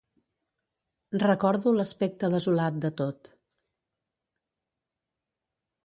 Recordo l'aspecte desolat de tot